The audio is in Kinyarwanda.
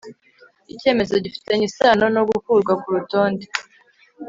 icyemezo gifitanye isano no gukurwa ku rutonde